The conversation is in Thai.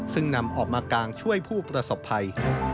ซึ่งนำออกมากางช่วยผู้ประสบภัย